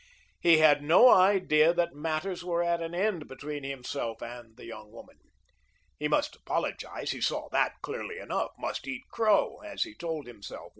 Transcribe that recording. He had no idea that matters were at an end between himself and the young woman. He must apologise, he saw that clearly enough, must eat crow, as he told himself.